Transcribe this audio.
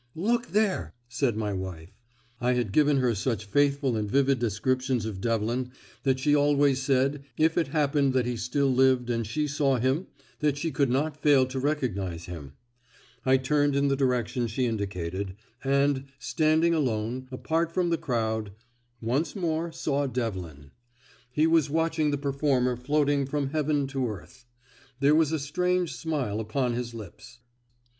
"Look there!" said my wife. I had given her such faithful and vivid descriptions of Devlin that she always said, if it happened that he still lived and she saw him, that she could not fail to recognise him. I turned in the direction she indicated, and, standing alone, apart from the crowd, once more saw Devlin. He was watching the performer floating from heaven to earth. There was a strange smile upon his lips.